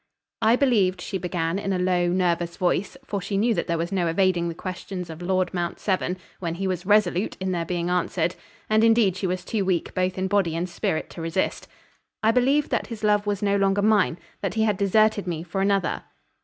"I believed," she began, in a low, nervous voice, for she knew that there was no evading the questions of Lord Mount Severn, when he was resolute in their being answered, and, indeed she was too weak, both in body and spirit, to resist "I believed that his love was no longer mine; that he had deserted me, for another."